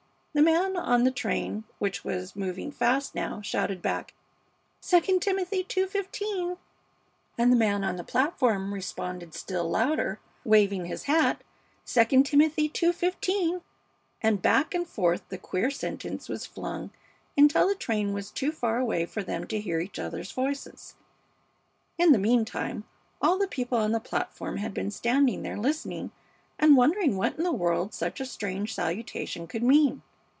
The man on the train, which was moving fast now, shouted back, 'II Timothy ii:15,' and the man on the platform responded still louder, waving his hat, 'II Timothy ii:15,' and back and forth the queer sentence was flung until the train was too far away for them to hear each other's voices. In the mean time all the people on the platform had been standing there listening and wondering what in the world such a strange salutation could mean.